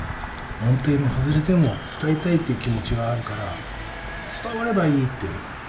音程も外れても伝えたいっていう気持ちはあるから伝わればいいって。